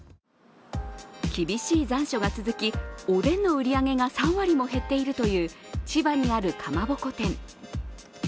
厳しい残暑が続き、おでんの売り上げが３割も減っているという千葉にあるかまぼこ店。